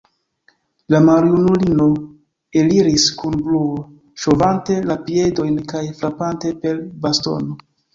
La maljunulino eliris, kun bruo ŝovante la piedojn kaj frapante per bastono.